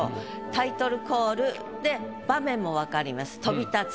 「タイトルコール」で場面も分かります「飛び立つ」。